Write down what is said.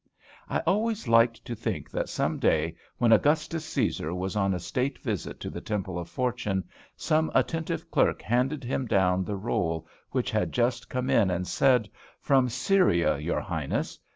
I always liked to think that some day when Augustus Cæsar was on a state visit to the Temple of Fortune some attentive clerk handed him down the roll which had just come in and said, "From Syria, your Highness!"